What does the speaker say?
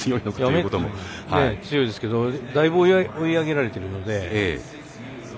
メッツも強いけどだいぶ追い上げられているので。